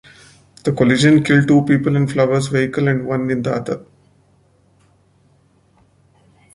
The collision killed two people in Flowers' vehicle and one in the other.